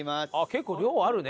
結構量あるね。